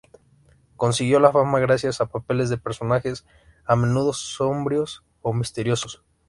Consiguió la fama gracias a papeles de personajes a menudo sombríos o misteriosos.